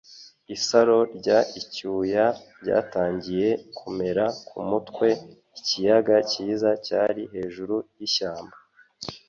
Isaro ry icyuya ryatangiye kumera kumutwe. Ikiyaga cyiza cyari hejuru yishyamba